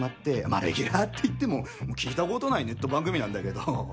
まあレギュラーっていっても聞いたことないネット番組なんだけど。